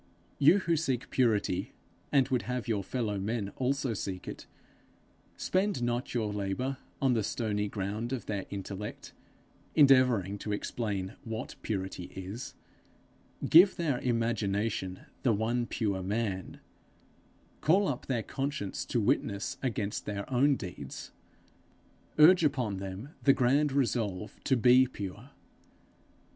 You who seek purity, and would have your fellow men also seek it, spend not your labour on the stony ground of their intellect, endeavouring to explain what purity is; give their imagination the one pure man; call up their conscience to witness against their own deeds; urge upon them the grand resolve to be pure.